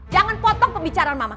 jangan potong pembicaraan mama